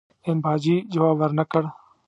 امباجي جواب ورنه کړ.